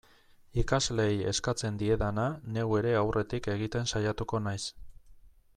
Ikasleei eskatzen diedana, neu ere aurretik egiten saiatuko naiz.